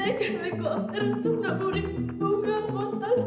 di goa terhentuk